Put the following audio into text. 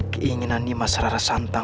keinginan nima serara santan